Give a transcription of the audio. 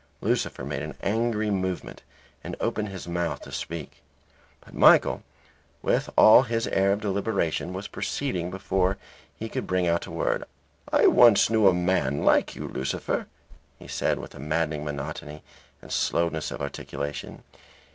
Lucifer made an angry movement and opened his mouth to speak, but Michael, with all his air of deliberation, was proceeding before he could bring out a word. "I once knew a man like you, Lucifer," he said, with a maddening monotony and slowness of articulation.